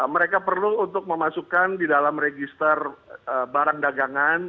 mereka perlu untuk memasukkan di dalam register barang dagangan